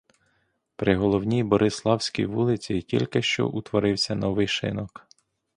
При головній бориславській вулиці тількищо отворився новий шинок.